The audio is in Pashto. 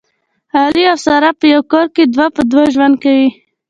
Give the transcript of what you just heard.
علي او ساره په یوه کور کې دوه په دوه ژوند کوي